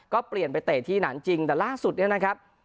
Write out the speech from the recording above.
ก็เปลี่ยนไปเตะที่หนานจริงแต่ล่าสุดเนี่ยนะครับ